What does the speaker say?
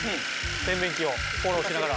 洗面器をフォローしながら。